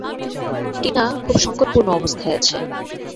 টিনা খুব সংকটপূর্ণ অবস্থায় আছে।